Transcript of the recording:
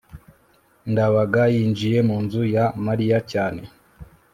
ndabaga yinjiye mu nzu ya mariya cyane